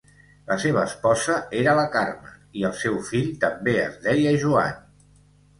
La seva esposa era la Carme i el seu fill també es deia Joan.